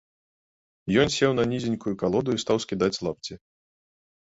Ён сеў на нізенькую калоду і стаў скідаць лапці.